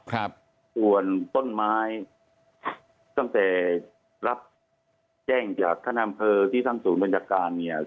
ครับส่วนต้นไม้ตั้งแต่รับแจ้งจากท่านอำเภอที่ท่านศูนย์บัญชาการเนี่ย